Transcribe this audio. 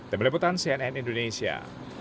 demi liputan cnn indonesia